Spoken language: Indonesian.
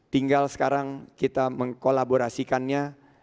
tinggal sekarang kita mengkolaborasikannya